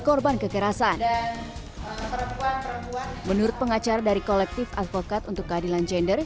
korban kekerasan perempuan perempuan menurut pengacara dari kolektif advokat untuk keadilan gender